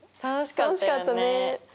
楽しかったね。